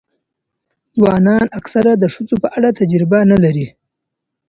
ځوانان اکثره د ښځو په اړه تجربه نه لري.